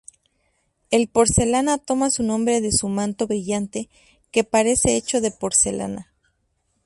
El Porcelana toma su nombre de su manto brillante, que parece hecho de porcelana.